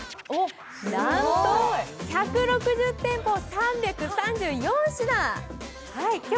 なんと１６０店舗、３３４品。